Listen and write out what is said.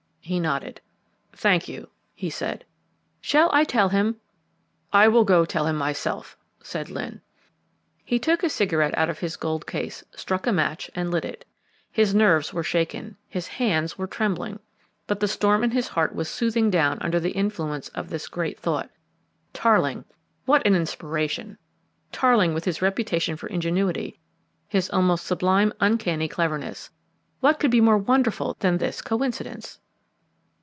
He nodded. "Thank you," he said. "Shall I tell him " "I will go to him myself," said Lyne. He took a cigarette out of his gold case, struck a match and lit it. His nerves were shaken, his hands were trembling, but the storm in his heart was soothing down under the influence of this great thought. Tarling! What an inspiration! Tarling, with his reputation for ingenuity, his almost sublime uncanny cleverness. What could be more wonderful than this coincidence?